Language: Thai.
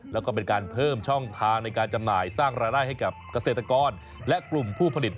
แล้วก็เป็นการเพิ่มช่องทางในการจำหน่ายสร้างรายได้ให้กับเกษตรกรและกลุ่มผู้ผลิต